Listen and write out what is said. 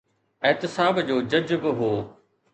احتساب جو جج به هو.